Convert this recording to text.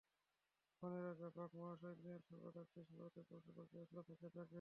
বনের রাজা বাঘ মহাশয় দিলেন সভার ডাকসেই সভাতে পশু-পাখি আসল ঝাঁকে ঝাঁক।